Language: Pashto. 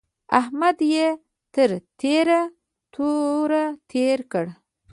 احمد يې تر تېره توره تېر کړ.